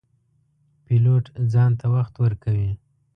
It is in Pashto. پیلوټ ځان ته وخت ورکوي.